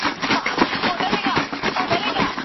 مهربان استاد زده کوونکو ته د کور پاکوالي عادت ښووي.